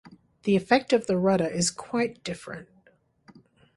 The effect of the rudder is quite different.